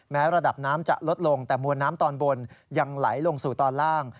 ระดับน้ำจะลดลงแต่มวลน้ำตอนบนยังไหลลงสู่ตอนล่าง